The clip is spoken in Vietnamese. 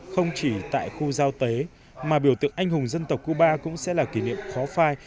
không chỉ tại khu giao tế mà biểu tượng anh hùng dân tộc cuba cũng sẽ là kỷ niệm khó phai